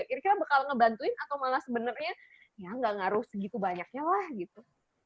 kira kira bakal ngebantuin atau malah sebenarnya ya gak ngaruh segitu banyaknya lah gitu